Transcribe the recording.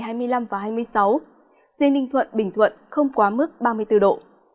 nhiệt độ cao nhất ngày hai mươi năm và hai mươi sáu riêng ninh thuận bình thuận không quá mức ba mươi bốn độ